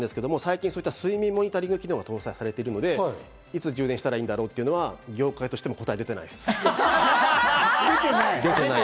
本来であれば寝てる時だったんですけど睡眠モニタリング機能が搭載されているので、いつ充電したらいいんだろうというのは業界としても答えは出ていないです。